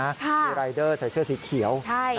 มีรายเดอร์ใส่เสื้อสีเขียว